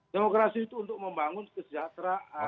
demokrasi itu untuk membangun kesejahteraan